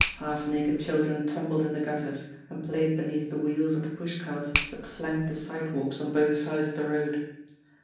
Half naked children tumbled in the gutters, and played beneath the wheels of the pushcarts that flanked the side walks on both sides of the road.